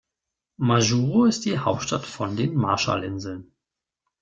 Majuro ist die Hauptstadt von den Marshallinseln.